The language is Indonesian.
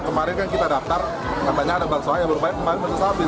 kemarin kan kita daftar katanya ada bakso yang berubah yang berhasil habis